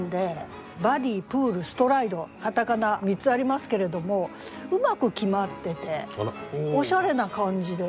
「バディ」「プール」「ストライド」片仮名３つありますけれどもうまく決まってておしゃれな感じで。